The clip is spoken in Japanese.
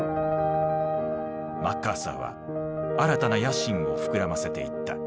マッカーサーは新たな野心を膨らませていった。